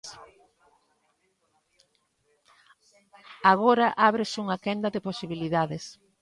Agora ábrese un quenda de posibilidades.